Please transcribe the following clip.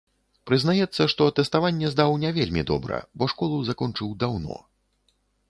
Прызнаецца, што тэставанне здаў не вельмі добра, бо школу закончыў даўно.